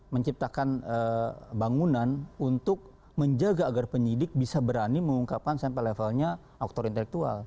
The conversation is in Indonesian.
menciptakan bangunan untuk menjaga agar penyidik bisa berani mengungkapkan sampai levelnya aktor intelektual